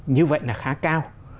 như vậy là khá cao